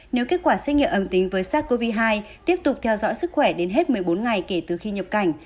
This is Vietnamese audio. nếu kết quả xét nghiệm âm tính với sars cov hai tiếp tục theo dõi sức khỏe đến hết một mươi bốn ngày kể từ khi nhập cảnh